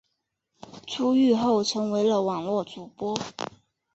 出狱后成为了网络主播。